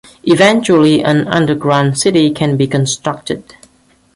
Eventually an underground city can be constructed.